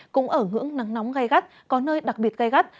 cũng ở ngưỡng nắng nóng gai gắt có nơi đặc biệt gai gắt